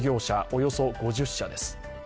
およそ５０社です。